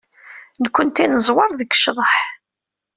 Nekkenti neẓwer deg ccḍeḥ.